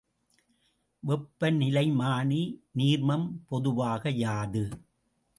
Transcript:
வெப்பநிலைமானி நீர்மம் பொதுவாக யாது?